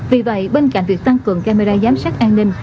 vì vậy bên cạnh việc tăng cường camera giám sát an ninh